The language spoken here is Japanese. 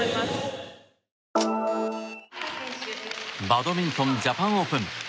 バドミントンジャパンオープン。